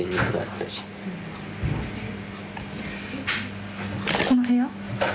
・この部屋？